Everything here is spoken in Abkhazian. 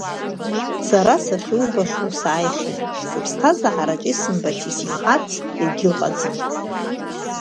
Сара сахьубахьоу сааихьеит, сыԥсҭазаараҿы исымбац-исмаҳац егьыҟаӡам.